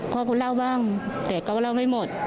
พ่อก็เล่าบ้างแต่ก็เล่าไม่หมด